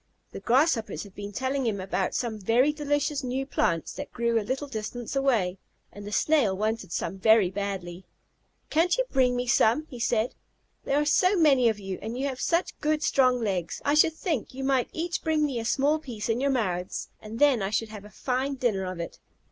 The Grasshoppers had been telling him about some very delicious new plants that grew a little distance away, and the Snail wanted some very badly. "Can't you bring me some?" he said. "There are so many of you, and you have such good, strong legs. I should think you might each bring me a small piece in your mouths, and then I should have a fine dinner of it."